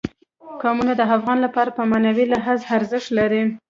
قومونه د افغانانو لپاره په معنوي لحاظ ارزښت لري.